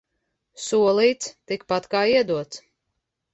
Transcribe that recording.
Solīts – tikpat kā iedots.